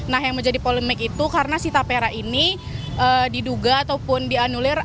nah yang menjadi polemik itu karena si tapera ini diduga ataupun dianulir